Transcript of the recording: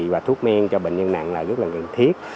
và thuốc men cho bệnh nhân nặng là rất là cần thiết